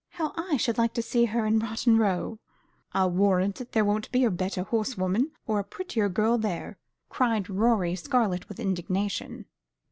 How I should like to see her in Rotten Row!" "I'll warrant there wouldn't be a better horse woman or a prettier girl there," cried Rorie, scarlet with indignation.